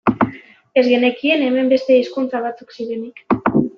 Ez genekien hemen beste hizkuntza batzuk zirenik.